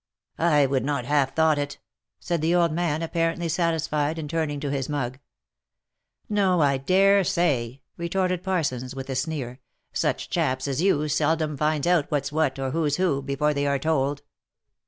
" I would not have thought it !" said the old man, apparently satis fied, and turning to his mug. " No, I dare say," retorted Parsons, with a sneer. " Such chaps as you, seldom finds out what's what, or who's who, before they are told."